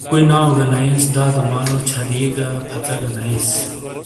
کُوٸی ناٶ گہ ناٸیس، دادو مالو چھَری گہ پھژہ گہ نٸیس